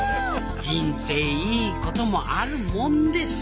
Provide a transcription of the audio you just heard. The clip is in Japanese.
人生いいこともあるもんです